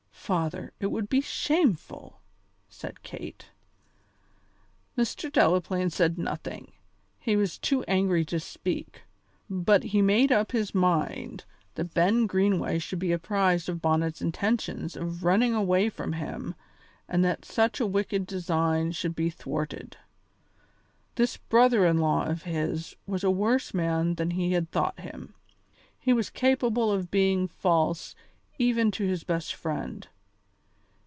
"Father, it would be shameful!" said Kate. Mr. Delaplaine said nothing; he was too angry to speak, but he made up his mind that Ben Greenway should be apprised of Bonnet's intentions of running away from him and that such a wicked design should be thwarted. This brother in law of his was a worse man than he had thought him; he was capable of being false even to his best friend.